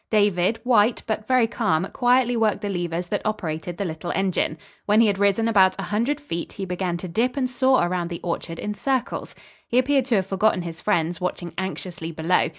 David, white, but very calm, quietly worked the levers that operated the little engine. When he had risen about a hundred feet, he began to dip and soar around the orchard in circles. He appeared to have forgotten his friends, watching anxiously below.